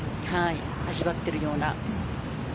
味わっているような。